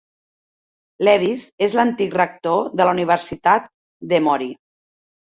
Lewis és l'antic rector de la Universitat d'Emory.